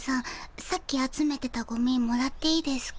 さっき集めてたゴミもらっていいですか？